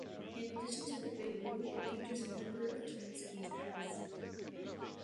In addition to the Big Wu it features a number of Twin Cities acts.